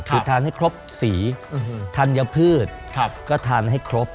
คือทานให้ครบสีธัญพืชก็ทานให้ครบ